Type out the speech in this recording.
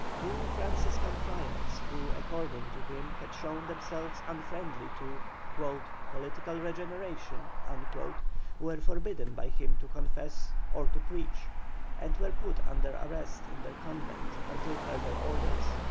Two Franciscan friars who, according to him, had shown themselves unfriendly to "political regeneration," were forbidden by him to confess or to preach, and were put under arrest in their convent until further orders.